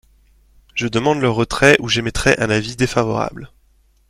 Je demande le retrait ou j’émettrai un avis défavorable.